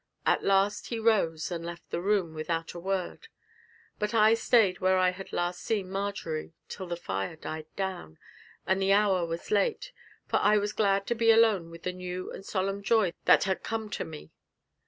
At last he rose, and left the room without a word. But I stayed there where I had last seen Marjory, till the fire died down, and the hour was late, for I was glad to be alone with the new and solemn joy that had come to me.